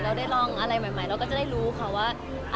เราได้ลองอะไรใหม่เราก็จะได้รู้ค่ะว่า